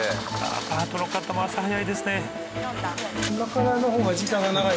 パートの方も朝早いですね。